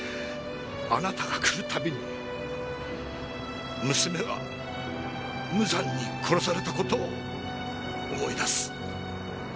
あなたが来る度に娘が無残に殺された事を思い出す。